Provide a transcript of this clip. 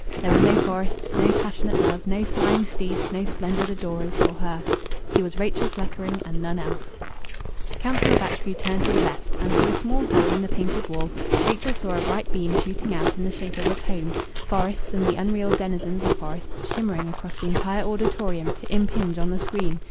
There were no forests, no passionate love, no flying steeds, no splendid adorers for her. She was Rachel Fleckring and none else. Councillor Batchgrew turned to the left, and through a small hole in the painted wall Rachel saw a bright beam shooting out in the shape of a cone forests, and the unreal denizens of forests shimmering across the entire auditorium to impinge on the screen!